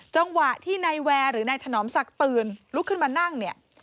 จังหวะที่ในแวร์หรือในถนอมศักดิ์ตื่นลุกขึ้นมานั่ง